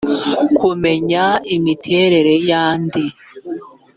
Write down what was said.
kumenya imiterere y’andi